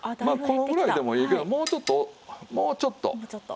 まあこのぐらいでもいいけどもうちょっともうちょっと。